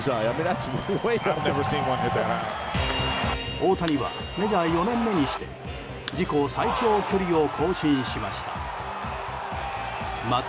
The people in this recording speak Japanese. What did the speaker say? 大谷はメジャー４年目にして自己最長距離を更新しました。